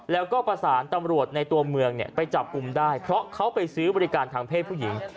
แล้วก็ประสานตำรวจในตัวเมืองไปจับกลุ่มได้เพราะเขาไปซื้อบริการทางเพศผู้หญิง